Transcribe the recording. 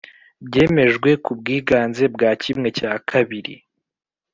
Byemejwe ku bwiganze bwa kimwe cya kabiri